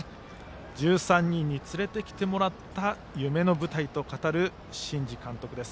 １３人に連れてきてもらった夢の舞台と語る新治監督です。